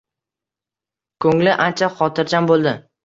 Ko`ngli ancha xotirjam bo`ldi